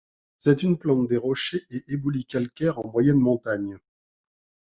C'est une plante des rochers et éboulis calcaires en moyenne montagne.